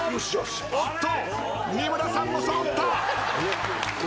おっと三村さんも揃った！